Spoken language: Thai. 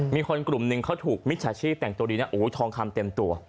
มีคนกลุ่มหนึ่งเขาถูกมิจฉาชีพแต่งตัวดีนะโอ้โหทองคำเต็มตัว